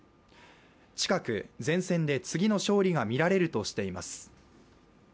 近く、前線で次の勝利が見られるとしています。